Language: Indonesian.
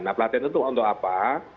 nah pelatihan itu untuk apa